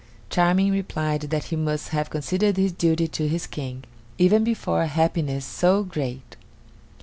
Charming replied that he must have considered his duty to his King, even before a happiness so great.